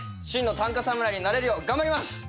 真の短歌侍になれるよう頑張ります！